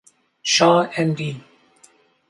Shah Md.